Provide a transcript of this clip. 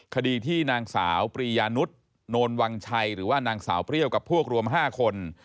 คดีที่นางสาวปรียานุษย์โนนวังชัยหรือว่านางสาวเปรี้ยวกับพวกรวม๕คน